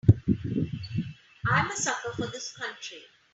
I'm a sucker for this country.